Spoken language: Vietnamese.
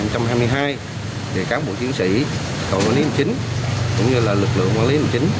thì cán bộ chiến sĩ cầu quản lý hành chính cũng như lực lượng quản lý hành chính